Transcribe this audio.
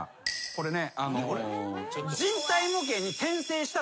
これね。